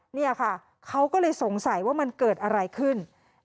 เนี่ยค่ะเขาก็เลยสงสัยว่ามันเกิดอะไรขึ้น